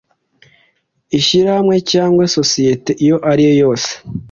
ishyirahamwe cyangwa sosiyete iyo ariyo yose